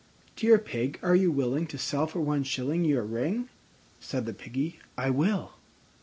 III. "Dear Pig, are you willing to sell for one shilling Your ring?" Said the Piggy, "I will."